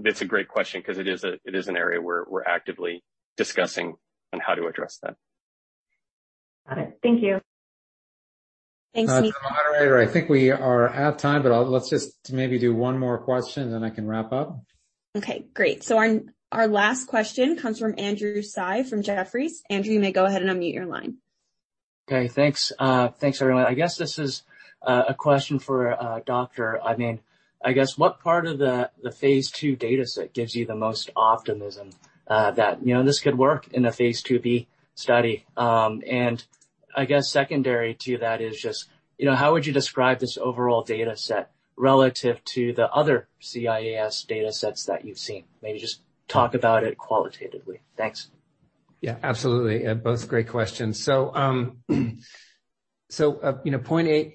is a great question because it is an area we're actively discussing on how to address that. Got it. Thank you. Thanks, Neena. As a moderator, I think we are out of time, but let's just maybe do one more question, then I can wrap up. Okay. Great. Our last question comes from Andrew Tsai from Jefferies. Andrew, you may go ahead and unmute your line. Okay. Thanks. Thanks, everyone. I guess this is a question for a doctor. I mean, I guess what part of the phase II data set gives you the most optimism that this could work in a phaseI-B study? I guess secondary to that is just how would you describe this overall data set relative to the other CIAS data sets that you've seen? Maybe just talk about it qualitatively. Thanks. Yeah. Absolutely. Both great questions. 0.8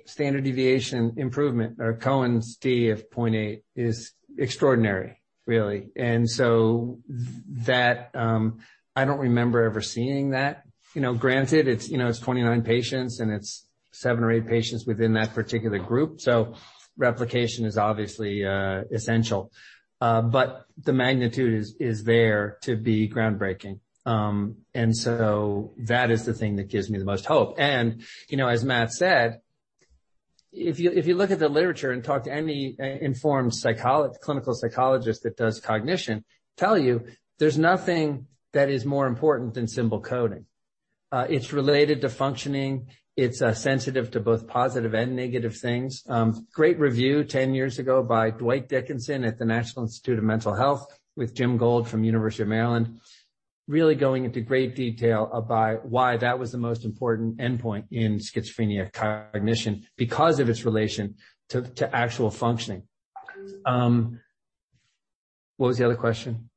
standard deviation improvement, or Cohen's d of 0.8, is extraordinary, really. I don't remember ever seeing that. Granted, it's 29 patients, and it's seven or eight patients within that particular group. Replication is obviously essential. The magnitude is there to be groundbreaking. That is the thing that gives me the most hope. As Matt said, if you look at the literature and talk to any informed clinical psychologist that does cognition, they'll tell you there's nothing that is more important than symbol coding. It's related to functioning. It's sensitive to both positive and negative things. Great review 10 years ago by Dwight Dickinson at the National Institute of Mental Health with Jim Gold from the University of Maryland, really going into great detail about why that was the most important endpoint in schizophrenia cognition because of its relation to actual functioning. What was the other question?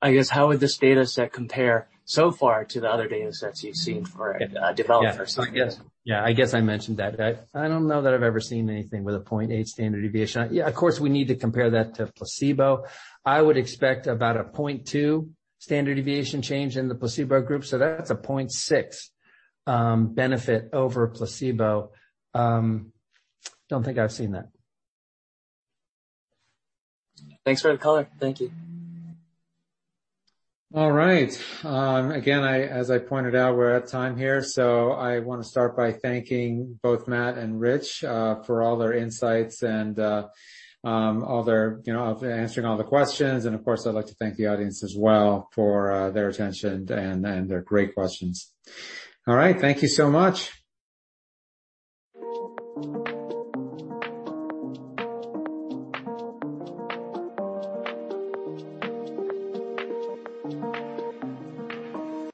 I guess how would this data set compare so far to the other data sets you've seen for developers? Yeah. I guess I mentioned that. I don't know that I've ever seen anything with a 0.8 standard deviation. Yeah. Of course, we need to compare that to placebo. I would expect about a 0.2 standard deviation change in the placebo group. So that's a 0.6 benefit over placebo. Don't think I've seen that. Thanks for the color. Thank you. All right. Again, as I pointed out, we're at time here. I want to start by thanking both Matt and Rich for all their insights and answering all the questions. Of course, I'd like to thank the audience as well for their attention and their great questions. All right. Thank you so much.